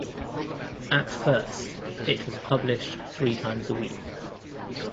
At first, it was published three times a week.